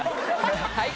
はい。